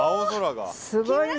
すごいね。